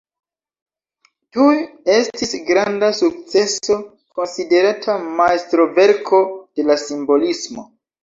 Tuj estis granda sukceso, konsiderata majstroverko de la simbolismo.